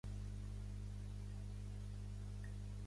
També va publicar un disc titulat "How to Win at Championship Bridge".